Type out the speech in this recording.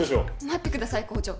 待ってください校長。